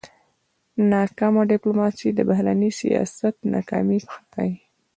ناکامه ډيپلوماسي د بهرني سیاست ناکامي ښيي.